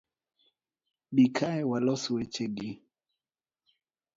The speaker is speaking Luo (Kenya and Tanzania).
Bi kae walos weche gi